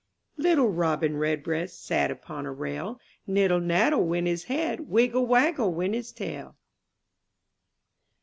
T ITTLE Robin Redbreast Sat upon a rail, Niddle naddle went his head. Wiggle waggle went his tail.